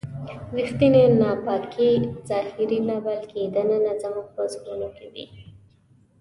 ریښتینې ناپاکي ظاهري نه بلکې دننه زموږ په زړونو کې وي.